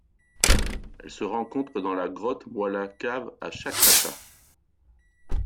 Elle se rencontre dans la grotte Moila cave à Chakrata.